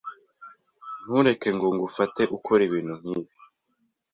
Ntureke ngo ngufate ukora ibintu nkibi.